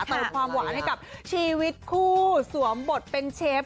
เติมความหวานให้กับชีวิตคู่สวมบทเป็นเชฟ